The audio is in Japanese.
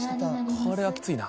これはきついな。